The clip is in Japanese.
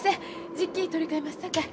じっき取り替えますさかい。